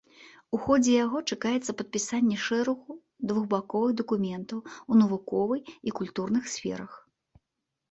У ходзе яго чакаецца падпісанне шэрагу двухбаковых дакументаў у навуковай і культурнай сферах.